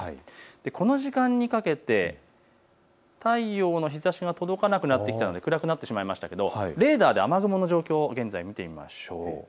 この時間にかけて太陽の日ざしが届かなくなってきて暗くなってしまいましたがレーダーで雨雲の状況を見てみましょう。